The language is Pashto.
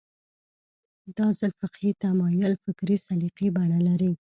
دا ځل فقهي تمایل فکري سلیقې بڼه لري